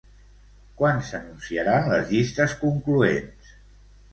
Quan s'anunciaran les llistes concloents?